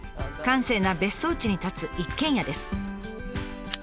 閑静な別荘地に立つ一軒家です。